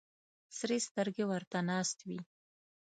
سرې سترګې ورته ناست وي.